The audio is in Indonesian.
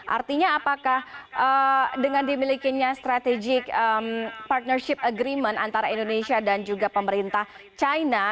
artinya apakah dengan dimilikinya strategic partnership agreement antara indonesia dan juga pemerintah china